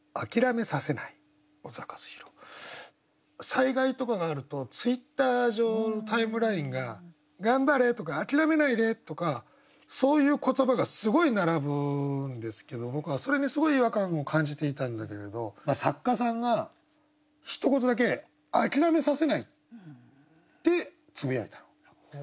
災害とかがあるとツイッター上のタイムラインが「頑張れ」とか「あきらめないで」とかそういう言葉がすごい並ぶんですけど僕はそれにすごい違和感を感じていたんだけれど作家さんがひと言だけ「あきらめさせない」ってつぶやいたの。